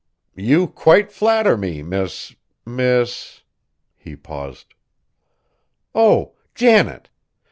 "You quite flatter me, Miss Miss ?" he paused. "Oh! Janet.